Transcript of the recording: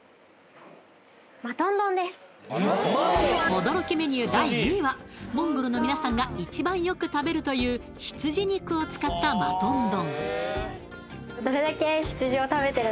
驚きメニュー第２位はモンゴルのみなさんが一番よく食べるという羊肉を使ったマトン丼